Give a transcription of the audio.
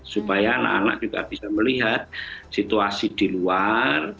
supaya anak anak juga bisa melihat situasi di luar